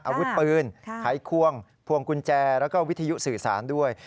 อาวุธปืนไขควงพวงกุญแจแล้วก็วิทยุสื่อสารด้วย